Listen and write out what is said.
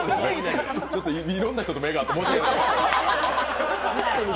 いろんな人と目が合って申し訳なかった。